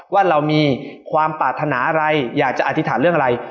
ว่าเรามีความปรารถนาอะไรอยากจะอธิษฐานเรื่องอะไร